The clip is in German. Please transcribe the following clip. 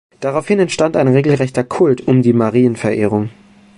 Daraufhin entstand ein regelrechter Kult um die Marienverehrung.